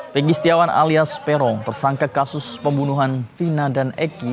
peggy setiawan alias perong tersangka kasus pembunuhan fina dan eki